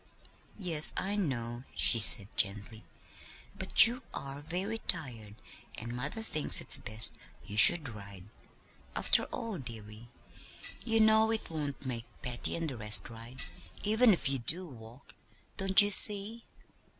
"Yes, I know," she said gently. "But you are very tired, and mother thinks it best you should ride. After all, dearie, you know it won't make Patty and the rest ride, even if you do walk. Don't you see?"